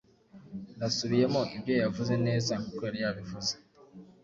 Nasubiyemo ibyo yavuze neza nkuko yari yabivuze.